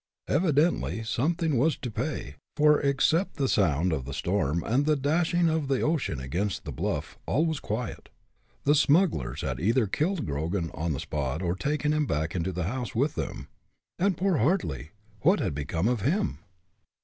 Evidently something was to pay, for, except the sound of the storm and the dashing of the ocean against the bluff, all was quiet. The smugglers had either killed Grogan on the spot or taken him back into the house with them. And poor Hartly what had become of him?